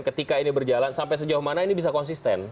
ketika ini berjalan sampai sejauh mana ini bisa konsisten